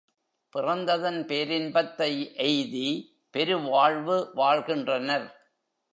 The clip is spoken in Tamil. பிறந்ததன் பேரின்பத்தை எய்தி பெரு வாழ்வு வாழ்கின்றனர்.